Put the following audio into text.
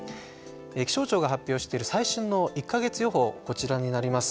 気象庁が発表している最新の１か月予報がこちらになります。